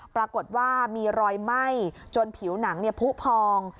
ปรากฏว่ามีรอยไหม้จนผิวหนังผู้พอง